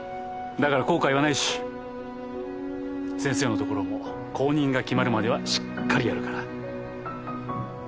だから後悔はないし先生のところも後任が決まるまではしっかりやるから。